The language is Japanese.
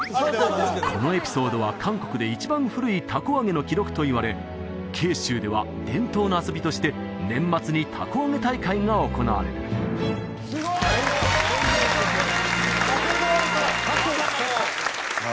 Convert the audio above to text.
このエピソードは韓国で一番古い凧揚げの記録といわれ慶州では伝統の遊びとして年末に凧揚げ大会が行われるすごい！ということで凧を使ったさあ